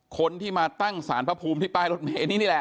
คนที่มาตั้งสารบิปราณีพระภูมิที่ปลายรถเมล์นี้แหละ